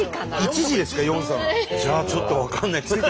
じゃあちょっと分かんない。